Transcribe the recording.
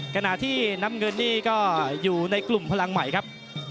ขณะที่น้ำเงินนี่ก็อยู่ในกลุ่มพลังใหม่ครับ